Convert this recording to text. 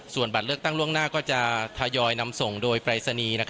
ส่วนบัตรเลือกตั้งล่วงหน้าก็จะทยอยนำส่งโดยปรายศนีย์